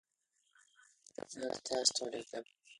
When he reappeared in his native Shiraz he was an elderly man.